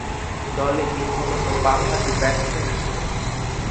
দলে তিনি মূলতঃ বামহাতি ব্যাটসম্যান ছিলেন।